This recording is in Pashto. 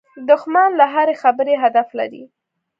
دښمن له هرې خبرې هدف لري